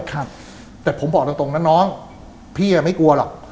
ครับแต่ผมบอกตรงตรงนะน้องพี่ไม่กลัวหรอก